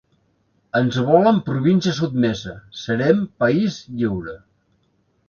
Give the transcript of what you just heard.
Ens volen província sotmesa, serem país lliure.